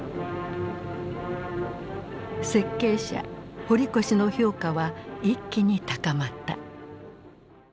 設計者堀越の評価は一気に高まった。